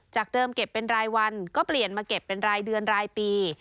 เดิมเก็บเป็นรายวันก็เปลี่ยนมาเก็บเป็นรายเดือนรายปี